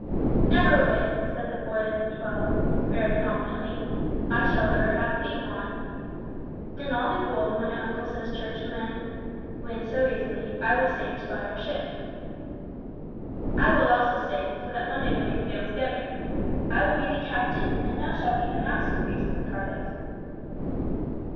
"Never a whit," said the boy of twelve, very confidently. "I shall ever have thee, Juan. And all the gold my uncle says churchmen win so easily, I will save to buy our ship." "I will also save, so that one day we may sail together. I will be the captain, and thou shall be the mass priest, Carlos."